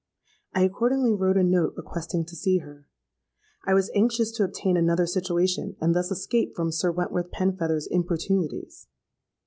I accordingly wrote a note requesting to see her. I was anxious to obtain another situation, and thus escape from Sir Wentworth Penfeather's importunities.